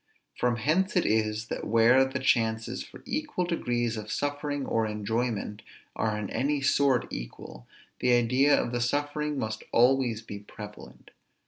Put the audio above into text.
From hence it is, that where the chances for equal degrees of suffering or enjoyment are in any sort equal, the idea of the suffering must always be prevalent.